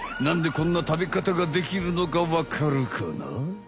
なんでこんな食べ方ができるのかわかるかな？